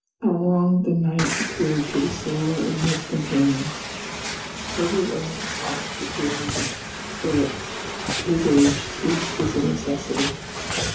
How long the night appeared to the sailor and his companions! Herbert alone slept for two hours, for at his age sleep is a necessity.